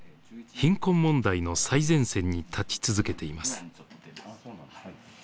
貧困問題の最前線に立ち続けています。